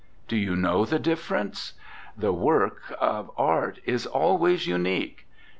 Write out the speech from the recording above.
Do you know the difference? The work 34 ANDRE GIDE of art is always unique.